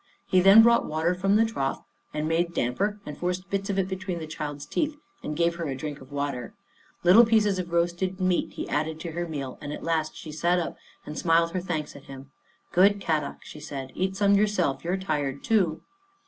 He then brought water from the trough, and made damper and forced bits of it between the child's teeth and gave her a drink of water. Little Jean Finds a Friend 89 pieces of roasted meat he added to her meal, and at last she sat up and smiled her thanks at him. " Good Kadok," she said, " eat some yourself. You are tired too."